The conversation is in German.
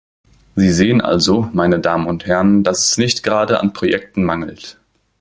Sie sehen also, meine Damen und Herren, dass es nicht gerade an Projekten mangelt.